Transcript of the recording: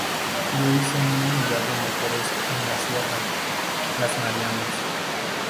Yo hice una unidad de mujeres en la Sierra, las "Marianas".